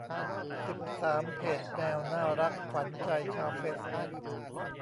สิบสาม เพจแมวน่ารักขวัญใจชาวเฟซบุ๊ก